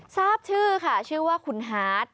ทราบชื่อค่ะชื่อว่าคุณฮาร์ด